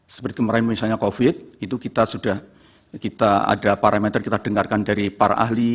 seperti kemarin misalnya covid itu kita sudah kita ada parameter kita dengarkan dari para ahli